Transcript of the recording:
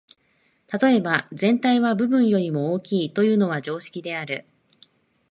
例えば、「全体は部分よりも大きい」というのは常識である。